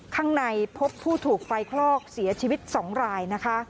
ข้างในพบผู้ถูกไฟคลอกเสียชีวิต๒รายนะคะ